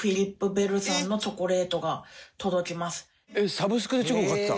サブスクでチョコ買ってた。